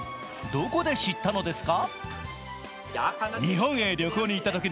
どこで知ったのですか？